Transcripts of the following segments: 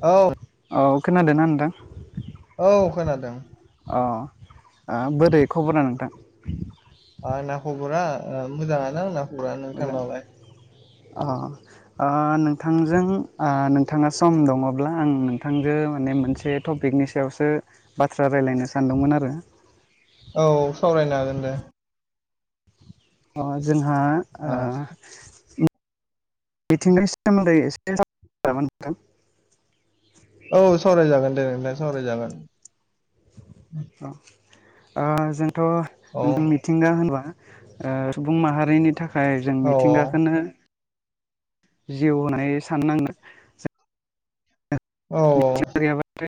औ औ खोनादोंना नोंथां? औ खोनादों। अ बोरै खबरा नोंथां? आंना खबरा ओ मोजाङानो आंना खबरा मोजां नोंथांनालाय अ ओ नोंथांजों ओ नोंथाङा सम दङब्ला आं नोंथांजो माने मोनसे टपिक नि सायावसो बाथ्रा रायलायनो सानदोंमोन आरो। औ सावरायनो हागोन दे। अ जोंहा ओ मिथिंगानि सोमोन्दै एसे सावरायनो नामा नोंथां? औ सावरायजागोन दे नोंथां सावरायजागोन। अ ओ जोंथ' औ नोंथां मिथिंगा होनबा ओ सुबुं माहारिनि थाखाय जों औ मिथिंगाखौनो जिउ होनाय सान [unintelligible] औ औ।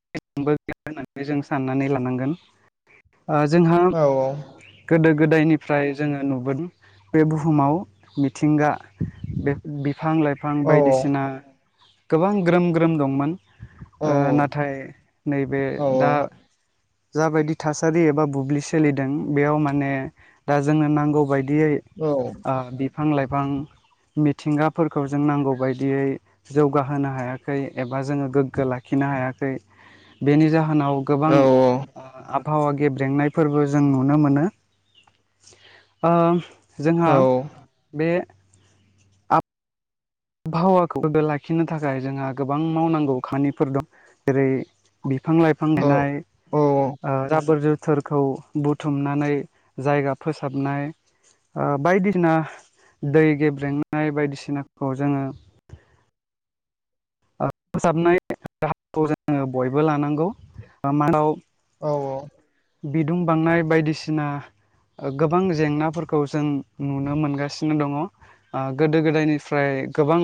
[unintelligible] होननानै जों साननानै लानांगोन। ओ जोंहा औ गोदो गोदायनिफ्राय जोङो नुबोदों बे बुहुमाव मिथिंगा बे बिफां लाइफां औ बायदिसिना गोबां ग्रोम ग्रोम दंमोन। ओ औ नाथाय नैबे औ दा जाबायदि थासारि एबा बुब्लि सोलिदों बेयाव माने दा जोंनो नांगौ बाय दियै ओ बिफां लाइफां मिथिंगाफोरखौ जों नांगौ बायदियै जौगाहोनो हायाखै एबा जोङो गोग्गो लाखिनो हायाखै। बेनि जाहोनाव गोबां औ औ ओ आबहावा गेब्रेंनाय फोरबो जों नुनो मोनो। ओ जोंहा बे आबहावाखौ गोग्गो लाखिनो थाखाय जोंहा गोबां मावनांगौ खामानिफोर दं जेरै बिफां लाइफां गायनाय ओ जाबोर जोथोर खौ बुथुमनानै जायगा फोसाबनाय ओ बायदिसिना दै गेब्रेंनाय बायदिसिना खौ जोङो ओ फोसाबनाय राहाखौ जोङो बयबो लानांगौ [unintelligible] औ औ। बिदुं बांनाय बायदिसिना ओ गोबां जेंनाफोरखौ जों नुनो मोनगासिनो दङ। ओ गोदो गोदायनिफ्राय गोबां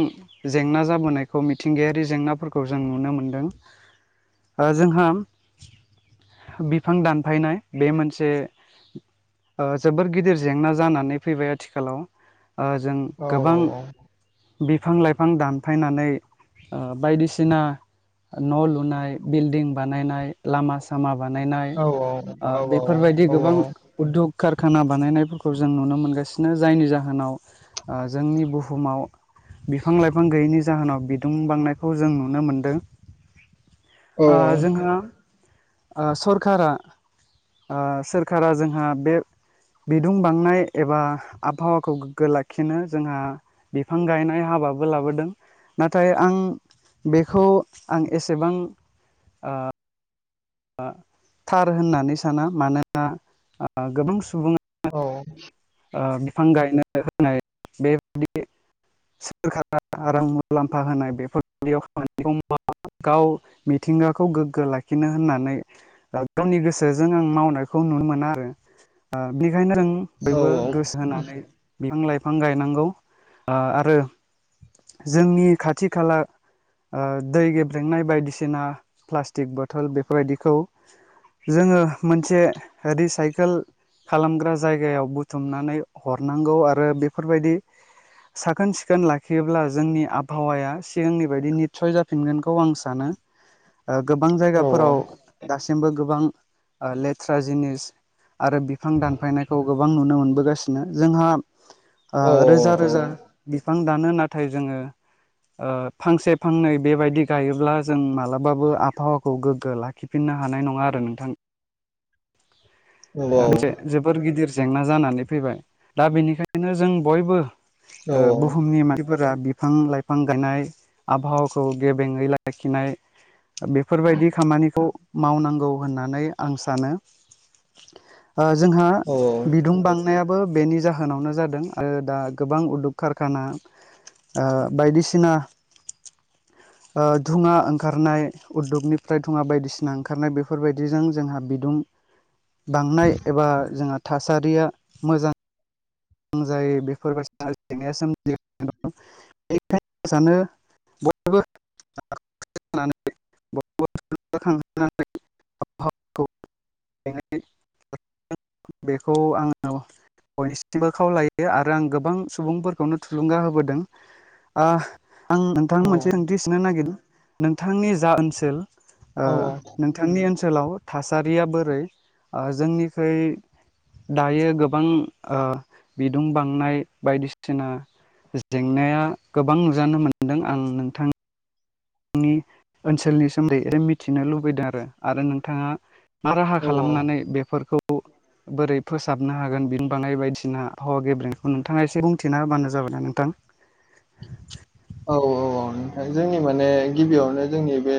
जेंना जाबोनायखौ मिथिंगायारि जेंनाफोरखौ जों नुनो मोनदों। ओ जोंहा बिफां दानफायनाय बे मोनसे ओ जोबोर गिदिर जेंना जानानै फैबाय आथिखालाव। ओ जों गोबां बिफां लाइफां दानफायनानै ओ बायदिसिना न' लुनाय, बिल्डिं बानायनाय, लामा सामा बानायनाय ओ बेफोरबायदि गोबां उद्योग कारखाना बानायनायफोरखौ जों नुनो मोनगासिनो जायनि जाहोनाव ओ जोंनि बुहुमाव बिफां लाइफां गैयैनि जाहोनाव बिदुं बांनायखौ जों नुनो मोनदों। ओ जोंहा सरकारा ओ सोरखारा जोंहा बे बिदुं बांनाय एबा आबहावाखौ गोग्गो लाखिनो जोंहा बिफां गायनाय हा बाबो लाबोदों नाथाय आं बेखौ आं एसेबां ओ थार होननानै साना मानोना गोबां सुबुङा औ। ओ बिफां गायनो होनाय बेबादि सोरखारा रां मुलाम्फा होनाय बेफोरबादियाव [unintelligible] गाव मिथिं गाखौ गोग्गो लाखिनो होननानै गावनि गोसोजों आं मावनायखौ नुनो मोना आरो। ओ बेखायनो जों बयबो गोसो होनानै बिफां लाइफां गायनांगौ। ओ आरो जोंनि खाथि खाला ओ दै गेब्रेंनाय बायदिसिना प्लास्टिक बथल बेफोरबायदिखौ जोङो मोनसे रिसाइकेल खालामग्रा जायगायाव बुथुमनानै हरनांगौ आरो बेफोरबायदि साखोन सिखोन लाखियोब्ला जोंनि आबहावाया सिगांनि बायदि निस्सय जाफिनगोनखौ आं सानो। ओ गोबां फोराव दासिमबो गोबां लेथ्रा जिनिस आरो बिफां दानफायनायखौ गोबां नुनो मोनबोगासिनो जोंहा ओ रोजा रोजा बिफां दानो नाथाय जोङो ओ फांसे फांनै बेबायदि गायोब्ला जों मालाबाबो आबहावा खौ गोग्गो लाखिफिन्नो हानाय नङा आरो नोंथां। मोनसे जोबोर गिदिर जेंना जानानै फैबाय दा बेनिखायनो जों बयबो औ ओ औ बुहुमनि मानसिफोरा बिफां लाइफां गायनाय आबहावाखौ गेबेङै लाखिनाय बेफोरबायदि खामानिखौ मावनांगौ होननानै आं सानो। ओ‌ जोंहा औ बिदुं बांनाया बो बेनि जाहोनावनो जादों आरो दा गोबां उदुग कारखाना ओ बायदिसिना ओ धुङा ओंखारनाय उद्दगनिफ्राय धुङा बायदिसिना ओंखारनाय बेफोरबायदिजों जोंहा बिदुं बांनाय एबा जोंहा थासारिया मोजां जां जायो बेफोरबायसिनो जेंनायाोमगासिनो द बेखायनो आं सानो बयबो [unintelligible] [unintelligible] बेखौ आङो बयनिस सिमबो खावलायो आरो आं गोबां सुबुंफोरखौनो थुलुंगा होबोदों ओ आं नोंथां औ मोनसे ओंथि सोंनो नागिरदों नोंथांनि जा ओनसोल ओ नोंथांनि ओनसोल लाव थासारिया बोरै जोंनिख्रुइ दायो गोबां ओ बिदुं बांनाय बायदिसिना जेंनाया गोबां नुजानो मोनदों आं नोंथां थांनि ओनसोलनि सोमोन्दै मिथिनो लुबैदों आरो आरो नोंथाङा मा राहा औ खालामनानै बेफोरखौ बोरै फोसाबनो हागोन बिनि बाङाय बायदिसिना आबहावा गेब्रेंनायखौ नोंथाङा एसे बुंथिना होबानो जाबायना नोंथां। [inaudible] औ औ औ नोंथां जोंनि माने गिबियावनो जोंनि बे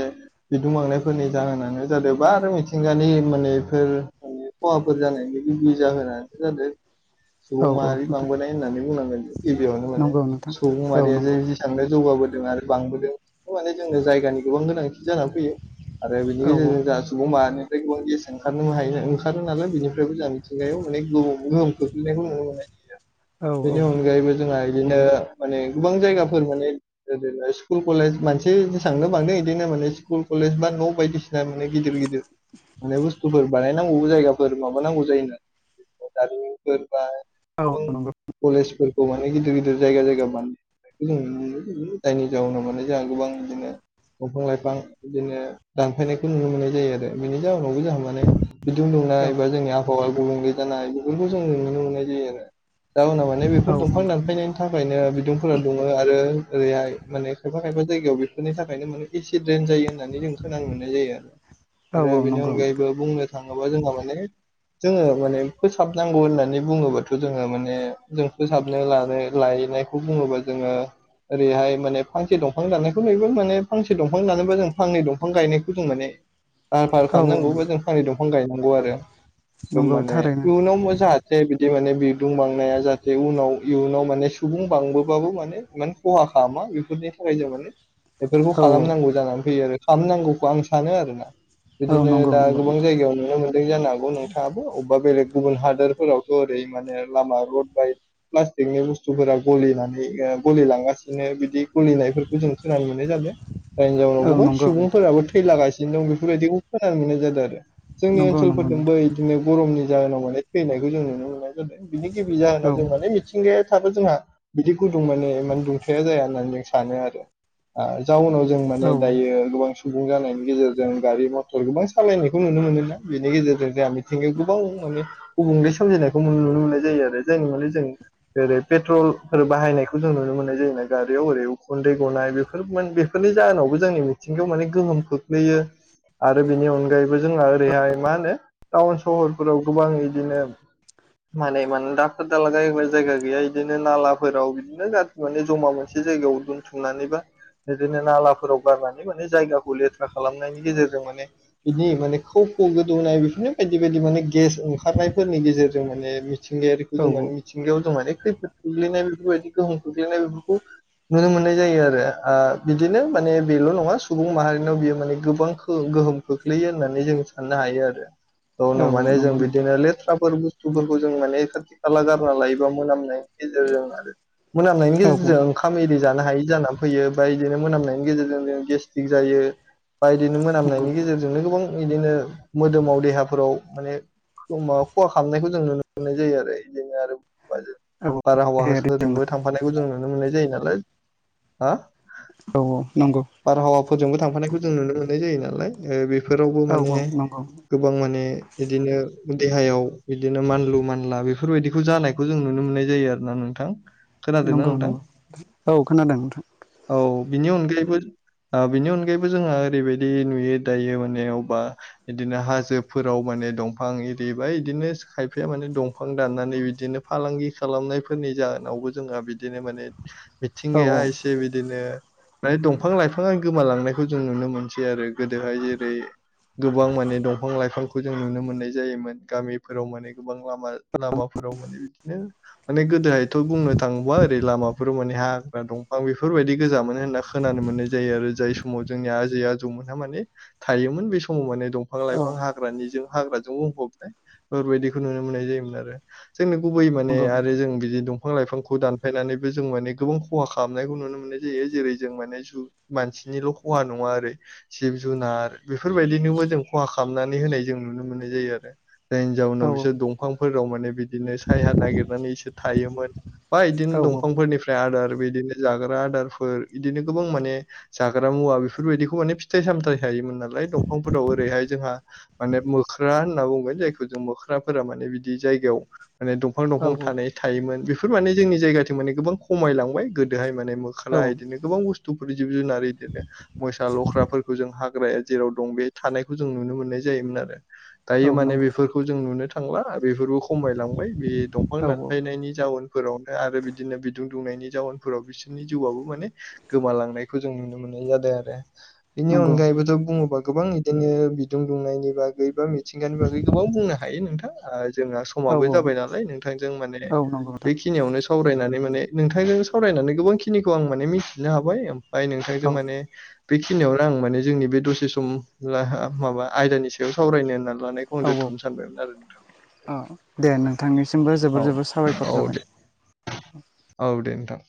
बिदुं बांनायफोरनि जाहोनानो जादोबा आरो मिथिंगानि माने बेफोर खहाफोर जानायनि गुदि जाहोनानो जादो औ सुबुं औ माहारि नोंथां बांबोनाय होननानै बुंनांगोन गिबियावनो माने नंगौ नोंथां सुबुं औ माहारिया जे नंगौ जेसांनो जौगाबोदों आरो बांबोदों माने जोंनि जायगानि गोबां गोनांथि जानानै फैयो आरो बेनि औ गेजेरजों जा सुबुं माहानिफ्राय गोबां गेस ओंखारनोबो हायो ओंखारो नालाय बिनिफ्रायबो जोंहा मिथिंगायाव गोबां गोहोम खोख्लैनायखौ नुनो मोननाय जायो। औ बेनि अनगायैबो जोंहा इदिनो माने गोबां जायगा फोर माने ओरैनो स्कुल कलेज मानसि जेसेबांनो बांदों इदिनो माने स्कुल कलेज बा न बायदिसिना गिदिर गिदिर माने बुस्थुफोर बानायनांगौ जायगाफोर माबा नांगौ जायोना दारिमिनफोर बा औ औ गोबां नंगौ कलेजफोरखौ माने गिदिर गिदिर जायगा जायगा बानाय जों नुनो मोनो जायनि जाउनाव माने जोंहा गोबां बिदिनो दंफां लाइफां बिदिनो दानफायनायखौ नुनो मोननाय जायो आरो बेनि जाउनावबो जाहा माने बिदुं औ दुंनाय बा जोंनि आबहावा गुबुंले जानाय बेफोरखौ जों नुनो मोननाय जायो आरो। जाउनाव माने बेफोर औ दंफां नंगौ नोंथां दानफायनायनि थाखायनो बिदुंफोरा दुङो आरो ओरैहाय माने खायफा खायफा जायगायाव बेफोरनि थाखायनो माने एसिड रेन जायो होननानै जों खोनानो मोननाय जायो आरो। औ आरो औ बेनि नंगौ अनगायैबो नोंथां बुंनो थाङोबा जोंहा माने जोङो माने फोसाबनांगौ होननानै बुङोबाथ' जोङो माने जों फोसाबनो लानो लायो नायखौ बुङोबा जोङो ओरैहाय माने फांसे दंफां दानानायखौ नुयोबो माने फांसे दंफां दानोबा जों फांनै दंफां गायनायखौ जों माने लाहार फाहार औ खालामनांगौ बा नंगौ जों फारि दंफां गायनांगौ आरो [unintelligible] नंगौ थारैनो इयुनाव जाहाथे माने बिदुं बांनाया जाहाथे उनाव इयुनाव माने सुबुं बांबो बाबो माने खहा खालामा बेफोरनि थाखाय जों माने बेफोरखौ औ औ खालामनांगौ जानानै फैयो आरो खालामनांगौखौ आं सानो आरोना औ बिदिनो नंगौ दा नंगौ गोबां नोंथां जायगायाव नुनो मोन्दों जानो हागौ नोंथाङाबो अबेबा बेलेग गुबुन हादोरफोरावथ ओरै माने लामा रड बाय प्लास्टिकनि बुस्थुफोरा गलिनानै गलिलांगासिनो बिदि खुलिनायफोरखौ जों खोनानै मोननाय जादों जायनि जाउनाव औ गोबां नंगौ नोंथां सुबुंफोराबो थैलागासिनो दं बेफोरबायदिखौ खोनानो मोननाय जादों आरो जोंनि नंगौ नंगौ ओनसोलफोरजोंबो नोंथां बिदिनो गरमनि जाहोनाव माने थैनायखौ जों नुनो मोननाय जादों बिनि गिबि औ जाहोनाव जों माने मिथिंगाया थाबो जोंहा बिदि गुदुं माने इमान दुंथाया जाया होननानै जों सानो आरो जाउनाव जों औ माने दायो गोबां सम सुबुं जानायनि गेजेरजों गारि मथर गोबां सालायनायखौ नुनो मोनोना बेनि गेजेरजों जोंहा मिथिंगायाव गोबां गुबुंले सोमजिनायखौ नुनो मोननाय जायो आरो जाय माने जों ओरै पेट्रल बाहायनायखौ जों नुनो मोननाय जायोना गारियाव ओरै उखुन्दै गनाय बेफोर बेफोरनि जाहोनावबो जोंनि मिथिं बेयाव माने गोहोम खोख्लैयो आरो बेनि अनगायैबो जोंहा ओरैहाय मा होनो टाउन सहरफोराव गोबां इदिनो माने मा दाखोर दाला गारनो जायगा गैया इदिनो नाला फोराव बिदिनो जाथि माने जमा मोनसे जायगायाव दोनथुमनानैबा इदिनो नालाफोराव गारनानै माने जायगाखौ लेथ्रा खालामनायनि गेजेरजों माने इनि माने खुब दै गोदौनाय बेफोरनो बायदि बायदि माने गेस ओंखारनायफोरनि गेजेरजों माने मिथिंगायारिखौ औ जों माने मिथिंगायाव जमायना खैफोद गोग्लैनाय बेफोरबायदि गोहोम ख्लैनाय बेफोरखौ नुनो मोननाय जायो आरो बिदिनो माने बेल' नङा सु सुबुं माहारिनाव बियो माने गोबां गोहोम खोख्लैयो होननानै जों साननो हायो आरो औ उनाव औ माने जों नंगौ नोंथां बिदिनो लेथ्राफोर बुस्थुफोर खौ जों माने खाथि खाला गारना लायोबा मोनामनायनि गेजेरजों आरो मोनामनायनि औ औ गेजेरजों ओंखाम एरि जा हायि जानानै फैयो बाइ इदिनो मोनामनायनि गेजेरजों जों गेस्ट्रिक जायो बाय इदिनो नंगौ मोनामनायनि गेजेरजोंनो गोबां इदिनो मोदोमाव देहाफोराव माने होमबा खहा खालामनायखौ जों नुनो मोननाय जायो आरो इदिनो आरो बारजों औ औ देहायारि जेंना बारहावाफोरजोंबो थांफानायखौ जों नुनो मोननाय जायो नालाय हा औ औ नंगौ जोंबो थांफानायखौ जों नुनो मोननाय जायो नालाय फोरावबो औ माने औ नंगौ गोबां माने इदिनो देहायाव बिदिनो मानलु मानला बेफोरबायदिखौ जानायखौ जों नुनो मोननाय जायो आरो ना नोंथां खोनादोंना नंगौ नोंथां नंगौ औ खोनादों नोंथां औ बिनि अनगायैबो बिनि अनगायैबो जोंहा ओरैबायदि नुयो दायो माने अबा इदिनो हाजोफोराव माने दंफां एदि बा इदिनो खायफाया माने दंफां दाननानै बिदिनो फालांगि खालामनायफोरनि जा आवबो जोंहा बिदिनो माने औ मिथिंगाया एसे बिदिनो माने दंफां लाइफाङा गोमालांनायखौ जों नुनो मोनसै आरो गोदोहाय जेरै गोबां माने दंफां लाइफांखौ जों नुनो मोननाय जायोमोन गामिफोराव माने गोबां लामा लामाफोर गाव माने बिदिनो माने गोदोहाय थ बुंनो थाङोबा ओरै लामाफोर माने हाग्रा दंफां बेफोरबायदि गोजा मोन होनना खोनानो मोननाय जायो आरो जाय समाव जोंनि आजै आजौमोनहा माने थायोमोन बे समाव माने दंफां औ लाइफां हाग्रानि हाग्राजों बुंफबनाय बेफोरबायदिखौ नुनो मोननाय जायोमोन आरो जोंनो गुबै माने नंगौ आरो नोंथां जों बिदि दं बिफां लाइफांखौ दानफायनानै बो जों माने गोबां खहा खालामनायखौ नुनो मोननाय जायो जेरै जों माने जुग मानसि निल' खहा नङा आरो जिब जुनार बेफोरबायदिनोबो जों खहा खालामनानै होनाय जों नुनो मोनो। इदि जायो आरो जायनि औ जाउनाव बिसोर दंफांफोराव माने बिदिनो सायहा नागिरनानैसो थायोमोन। बा बिदिनो औ दंफांफोरनिफ्राय आदार बिदिनो जाग्रा आदारफोर बिदिनो गोबां माने जाग्रा मुवा बेफोरबायदिखौ माने फिथाइ सामथायाइ थायोमोन नालाय दंफांफोराव ओरैहाय जोंहा माने मोख्रा होनना बुंगोन जायखौ जों मोख्राफोरा माने बिदि जायो याव माने दंफां औ दंफां थानाय थायोमोन बेफोर माने जोंनि जायगाथि माने गोबां खमायलांबाय गोदोहाय माने मोखारा इदिनो गोबां बुसथु जिब जुनार इदिनो मोसा लख्राफोरखौ जों हाग याव जेराव दं बे थानायखौ जों नुनो मोननाय जायोमोन आरो औ नंगौ औ दायो माने नंगौ बेफोरखौ जों नुनो थां थांला बेफोरबो खमायलांबाय बे औ दंफां औ दानफायनायनि जाउन आरो बिदिनो बिद दुंनायनि जाउनफोराव बिसोरनि जिउआबो माने गोमालांनायखौ जों नुनो मोननाय जादों आरो बेनि नंगौ अनगायैबोथ' बुङोबा गोबां बिदिनो बिदुं दुंनायनि बागै गोबां मिथिंगानि बागै गोबां बुंनो हायो नोंथां जोंहा समाबो जाबाय नोंथां नालाय नोंथांजों माने बेखिनियावनो सावरायनानै माने नोंथांजों सावरायनानै गोबांखिनिखौ आं माने मिथिनो हाबाय बाइ औ नोंथांजों माने बेखिनियावनो आं माने जोंनि बे दसे सम माबा आयदानि सायाव सावरायनो होननानै लानायखौ आं औ औ दोनथ'नो सानबायमोन आरो नोंथां औ दे नोंथांनिसिमबो औ जोबोर जोबोर साबायखर औ दे थाबाय। औ दे नोंथां